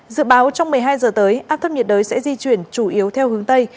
dự báo trong một mươi hai giờ tới áp thấp nhiệt đới sẽ di chuyển chủ yếu theo hướng tây